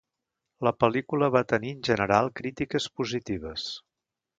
La pel·lícula va tenir en general crítiques positives.